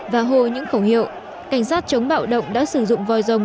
và hô những khẩu hiệu cảnh sát chống bạo động đã sử dụng voi rồng